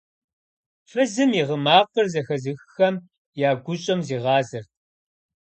Фызым и гъы макъыр зэхэзыххэм я гущӀэм зигъазэрт.